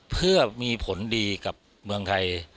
เพื่อมีผลดีกับเมืองไทย